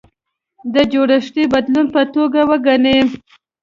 د جوړښتي بدلون په توګه وګڼي.